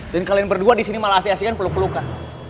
dan kalian berdua disini malah asing asingan peluk pelukan